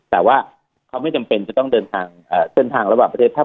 แต่ว่าเขาไม่จำเป็นจะต้องเดินทางเส้นทางระหว่างประเทศ